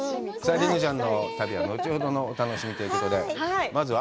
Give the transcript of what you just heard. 梨乃ちゃんの旅は後ほどのお楽しみということで、まずは？